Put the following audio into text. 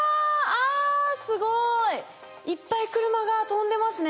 あすごい。いっぱいクルマが飛んでますね。